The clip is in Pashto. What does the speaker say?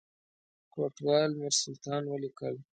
کوټوال میرسلطان ولیکل.